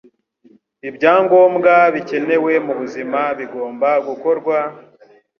Ibyangombwa bikenewe mu buzima bigomba gukorwa,